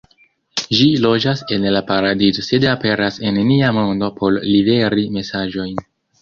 Ĝi loĝas en la paradizo sed aperas en nia mondo por liveri mesaĝojn.